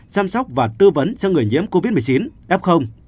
chăm sóc và tư vấn cho người nhiễm covid một mươi chín f